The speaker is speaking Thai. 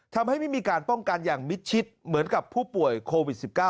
ทำให้ไม่มีการป้องกันอย่างมิดชิดเหมือนกับผู้ป่วยโควิด๑๙